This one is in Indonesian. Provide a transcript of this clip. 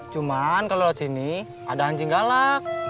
cuman kalau lewat sini ada anjing galak